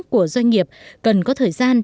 của doanh nghiệp cần có thời gian